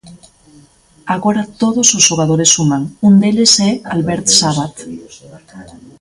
Agora todos os xogadores suman, un deles é Albert Sábat.